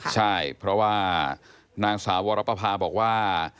ใช่เพราะว่านางสาววรปภาบอกว่า